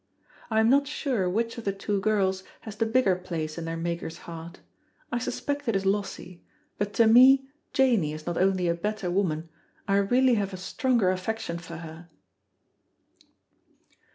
I am not sure which of the two girls has the bigger place in their maker's heart; I suspect it is Lossie; but to me Janey is not only a better woman, I really have a stronger affection for her.